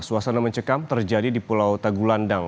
suasana mencekam terjadi di pulau tagulandang